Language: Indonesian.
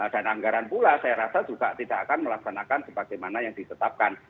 dan anggaran pula saya rasa juga tidak akan melaksanakan sebagaimana yang ditetapkan